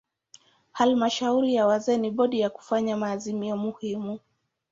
Halmashauri ya wazee ni bodi ya kufanya maazimio muhimu.